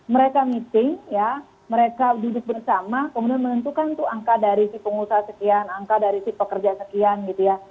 mereka meeting ya mereka duduk bersama kemudian menentukan tuh angka dari si pengusaha sekian angka dari si pekerja sekian gitu ya